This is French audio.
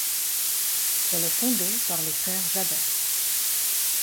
Elle est fondée par les frères Jaber.